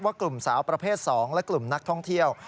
กลุ่มสาวประเภท๒และกลุ่มนักท่องเที่ยว